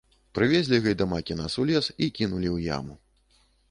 Прывезлі гайдамакі нас у лес і кінулі ў яму.